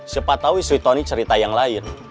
siapa tau istri tony cerita yang lain